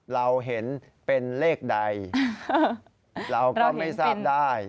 เราเห็นเป็นเลขใดเราก็ไม่ทราบได้